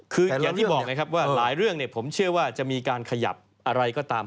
คืออย่างที่บอกไงครับว่าหลายเรื่องผมเชื่อว่าจะมีการขยับอะไรก็ตาม